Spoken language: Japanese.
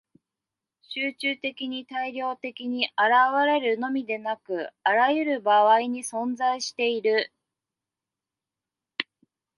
集中的に大量的に現れるのみでなく、あらゆる場合に存在している。